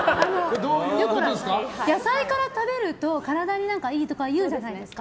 野菜から食べると体にいいとかいうじゃないですか。